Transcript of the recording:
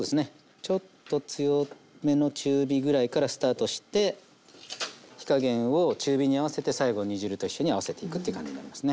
ちょっと強めの中火ぐらいからスタートして火加減を中火に合わせて最後煮汁と一緒に合わせていくという感じになりますね。